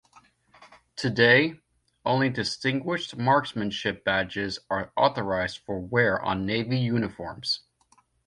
Today, only Distinguished Marksmanship Badges are authorized for wear on Navy uniforms.